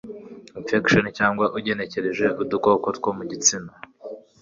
Infections cyangwa ugenekereje udukoko two mugitsina